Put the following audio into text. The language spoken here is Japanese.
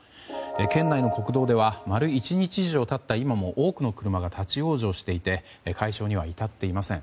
県内の国道では丸１日以上経った今も多くの車が立ち往生していて解消には至っていません。